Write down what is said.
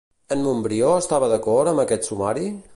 En Montbrió estava d'acord amb aquest sumari?